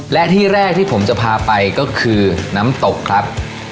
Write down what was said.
และที่แรกที่ผมจะพาไปก็คือน้ำตกครับ